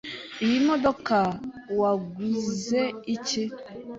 Iyi modoka waguze iki?